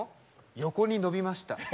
横にのびました。